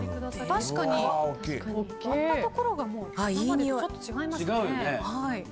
確かに、割ったところが今までとちょっと違いますね。